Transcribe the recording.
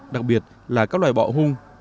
đặc biệt là các loài bọ hung